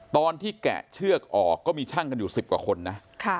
ตอนที่แกะเชือกออกก็มีช่างกันอยู่สิบกว่าคนนะค่ะ